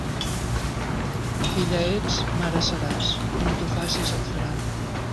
Filla ets, mare seràs; com tu facis et faran.